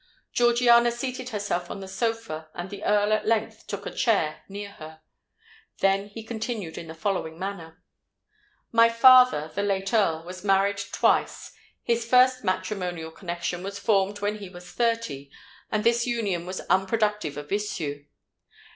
Georgiana seated herself on the sofa, and the Earl at length took a chair near her. He then continued in the following manner:— "My father, the late Earl, was married twice: his first matrimonial connexion was formed when he was thirty; and this union was unproductive of issue.